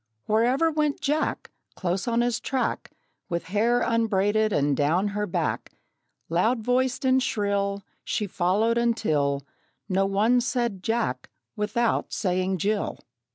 Wherever went Jack, Close on his track, With hair unbraided and down her back, Loud voiced and shrill, She followed, until No one said "Jack" without saying "Jill."